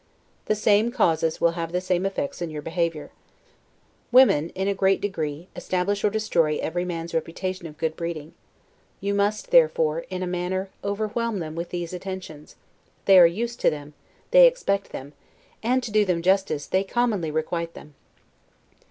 The same causes will have the same effects in your favor. Women, in a great degree, establish or destroy every man's reputation of good breeding; you must, therefore, in a manner, overwhelm them with these attentions: they are used to them, they expect them, and, to do them justice, they commonly requite them.